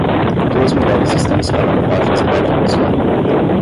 Duas mulheres estão escalando rochas perto do oceano.